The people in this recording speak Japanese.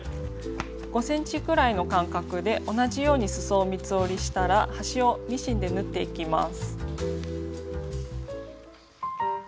５ｃｍくらいの間隔で同じようにすそを三つ折りしたら端をミシンで縫っていきます。